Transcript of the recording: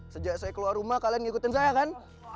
sejak saya keluar rumah kalian ngikutin saya kan